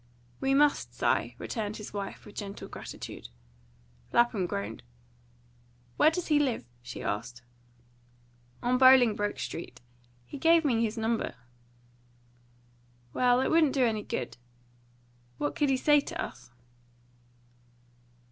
"We must, Si," returned his wife, with gentle gratitude. Lapham groaned. "Where does he live?" she asked. "On Bolingbroke Street. He gave me his number." "Well, it wouldn't do any good. What could he say to us?"